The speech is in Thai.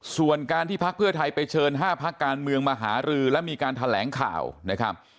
ส่วนการที่พักเพื่อไทยไปเชิญ๕พักการเมืองมาหารือและมีการแถลงข่าวนะครับ